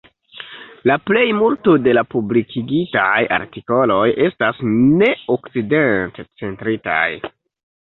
La plejmulto de la publikigitaj artikoloj estas neokcidentcentritaj.